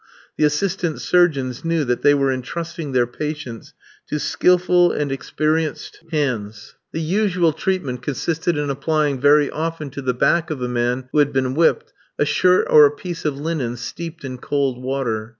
The assistant surgeons knew that they were entrusting their patients to skilful and experienced hands. The usual treatment consisted in applying very often to the back of the man who had been whipped a shirt or a piece of linen steeped in cold water.